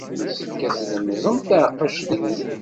Yessefk ad tlemẓem taɛeqqact-nni.